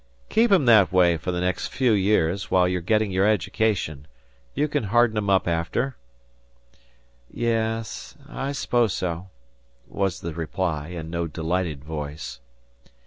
"Keep 'em that way for the next few years, while you're getting your education. You can harden 'em up after." "Ye es, I suppose so," was the reply, in no delighted voice.